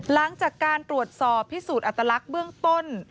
หลังจากการตรวจสอบพิสูจน์อัตลักษณ์เบื้องต้น